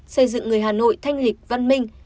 xây dựng người hà nội thanh lịch văn minh